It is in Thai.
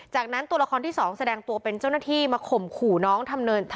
จากนั้นตัวละครที่๒แสดงตัวเป็นเจ้าหน้าที่มาข่มขู่น้องทำเนิน